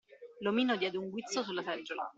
L'omino diede un guizzo sulla seggiola.